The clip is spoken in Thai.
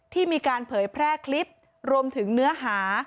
ที่มีการเผยแพร่คลิปรวมถึงเนื้อหา